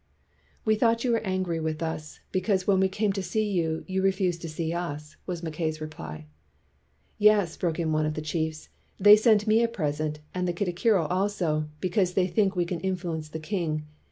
"We thought you were angry with us, be cause when we came to see you, you refused to see us," was Mackay 's reply. "Yes," broke in one of the chiefs, "they sent me a present, and the katikiro also, be cause they think we can influence the king.